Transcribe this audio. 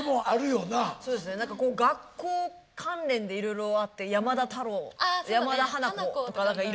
学校関連でいろいろあって「山田太郎」「山田花子」とかいろんな。